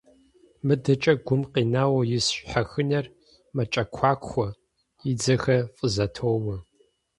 МыдэкӀэ гум къинауэ ис щхьэхынэр мэкӀэкуакуэ, и дзэхэр фӀызэтоуэ.